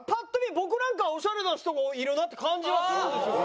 僕なんかはオシャレな人もいるなって感じはするんですよね。